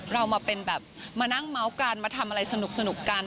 เรามาเป็นแบบมานั่งเมาส์กันมาทำอะไรสนุกกัน